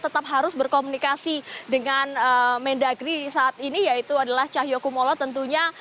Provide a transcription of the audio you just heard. tetap harus berkomunikasi dengan mendagri saat ini yaitu adalah cahyokumolo tentunya